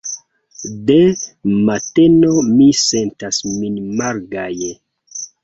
De mateno mi sentas min malgaje.